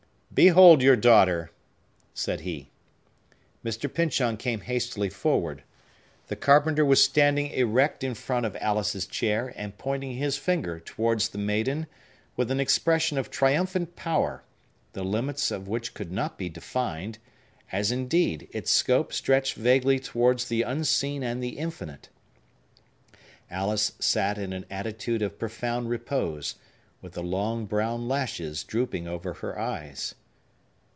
"Behold your daughter," said he. Mr. Pyncheon came hastily forward. The carpenter was standing erect in front of Alice's chair, and pointing his finger towards the maiden with an expression of triumphant power, the limits of which could not be defined, as, indeed, its scope stretched vaguely towards the unseen and the infinite. Alice sat in an attitude of profound repose, with the long brown lashes drooping over her eyes.